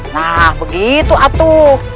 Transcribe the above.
nah begitu atuh